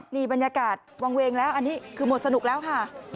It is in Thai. นี่บรรยากาศวางเวงแล้วอันนี้คือหมดสนุกแล้วค่ะ